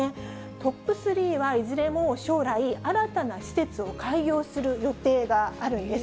トップ３はいずれも将来、新たな施設を開業する予定があるんです。